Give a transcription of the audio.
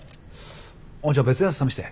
あっじゃあ別のやつ試して。